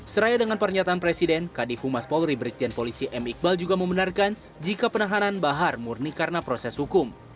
seraya dengan pernyataan presiden kadif humas polri brigjen polisi m iqbal juga membenarkan jika penahanan bahar murni karena proses hukum